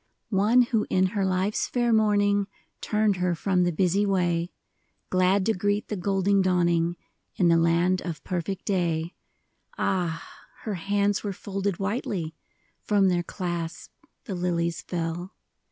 One who in her life's fair morning Turned her from the busy way, Glad to greet the golden dawning In the land of perfect day, — Ah, her hands were folded whitely ! From their clasp the lilies fell